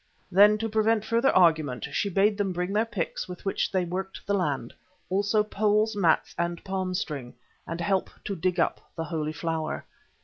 Then to prevent further argument she bade them bring their picks with which they worked the land; also poles, mats, and palmstring, and help to dig up the Holy Flower.